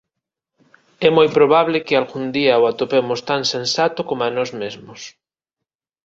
É moi probable que algún día o atopemos tan sensato coma a nós mesmos”.